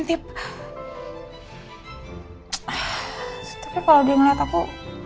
tapi kalo dia ngeliat aku